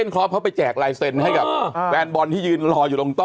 ก็ขึ้นติดกันเอง